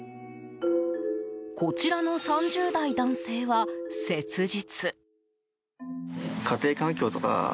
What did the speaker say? こちらの３０代男性は切実。